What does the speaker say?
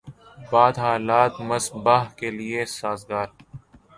بعد حالات مصباح کے لیے سازگار